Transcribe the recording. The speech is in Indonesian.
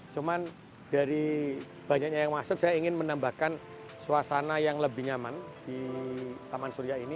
cuman dari banyaknya yang masuk saya ingin menambahkan suasana yang lebih nyaman di taman surya ini